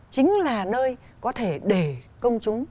chính là nơi có thể để công chúng